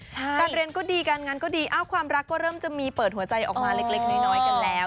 การเรียนก็ดีการงานก็ดีความรักก็เริ่มจะมีเปิดหัวใจออกมาเล็กน้อยกันแล้ว